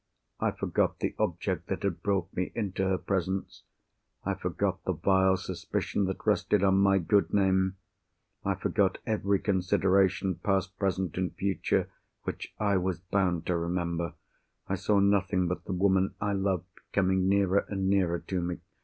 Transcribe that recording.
I forgot the object that had brought me into her presence; I forgot the vile suspicion that rested on my good name; I forgot every consideration, past, present, and future, which I was bound to remember. I saw nothing but the woman I loved coming nearer and nearer to me.